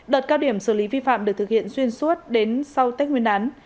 đợt cao điểm xử lý vi phạm được thực hiện xuyên suốt đến sau tết nguyên đán